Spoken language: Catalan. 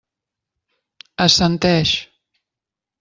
Assenteix.